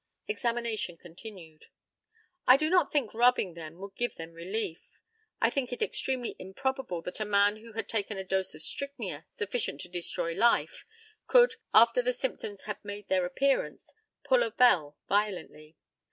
Examination continued: I do not think rubbing them would give them relief. I think it extremely improbable that a man who had taken a dose of strychnia sufficient to destroy life could after the symptoms had made their appearance pull a bell violently.